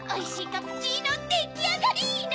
カプチーノできあがりの！